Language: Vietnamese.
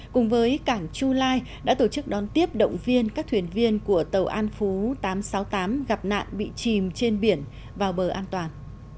cùng với cảng chu lai đã tổ chức đón tiếp động viên các thuyền viên của tàu an phú tám trăm sáu mươi tám gặp nạn bị chìm trên biển vào bờ an toàn